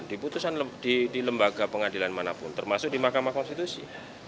di putusan di lembaga pengadilan manapun termasuk di mahkamah konstitusi